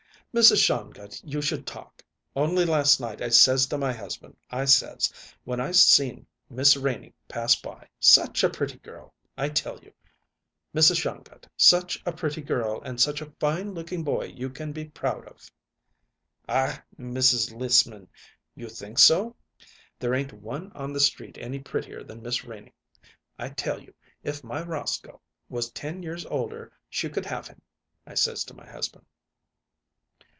"Mrs. Shongut, you should talk! Only last night I says to my husband, I says, when I seen Miss Renie pass by, 'Such a pretty girl!' I tell you, Mrs. Shongut, such a pretty girl and such a fine looking boy you can be proud of." "Ach, Mrs. Lissman, you think so?" "There ain't one on the street any prettier than Miss Renie. 'I tell you, if my Roscoe was ten years older she could have him,' I says to my husband."